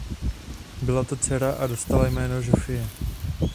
Byla to dcera a dostala jméno Žofie.